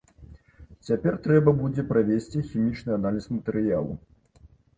Цяпер трэба будзе правесці хімічны аналіз матэрыялу.